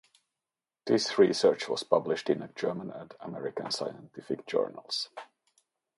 This research was published in German and American scientific journals.